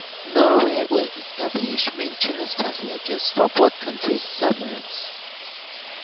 Norway will establish maintenance facilities for both countries submarines.